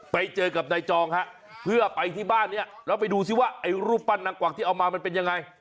ไปเจอกับนายจองฮะเพื่อไปที่บ้านนี้แล้วไปดูซิว่าไอ้รูปปั้นนางกวักที่เอามามันเป็นยังไง